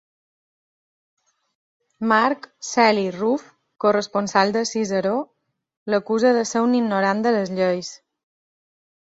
Marc Celi Ruf, corresponsal de Ciceró, l'acusa de ser un ignorant de les lleis.